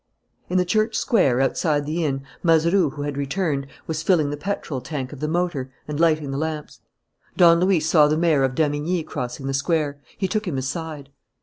In the church square, outside the inn, Mazeroux, who had returned, was filling the petrol tank of the motor and lighting the lamps. Don Luis saw the mayor of Damigni crossing the square. He took him aside.